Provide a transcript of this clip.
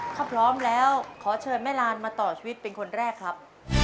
ถ้าพร้อมแล้วขอเชิญแม่ลานมาต่อชีวิตเป็นคนแรกครับ